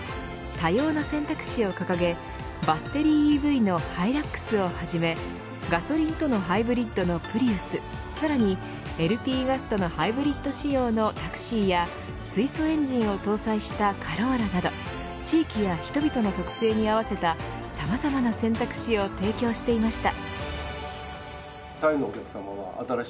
多様な選択肢を掲げバッテリーＥＶのハイラックスをはじめガソリンとのハイブリッドのプリウスさらにＬＰガスとのハイブリッド仕様のタクシーや水素エンジンを搭載したカローラなど地域や人々の特性に合わせたさまざまな選択肢を提供していました。